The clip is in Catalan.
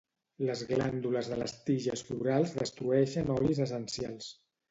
Les glàndules de les tiges florals destrueixen olis essencials.